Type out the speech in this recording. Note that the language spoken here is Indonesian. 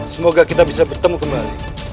semoga kita bisa bertemu kembali